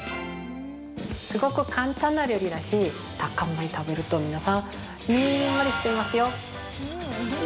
◆すごく簡単な料理だしタッカンマリ食べると、皆さんニンマリしちゃいますよ！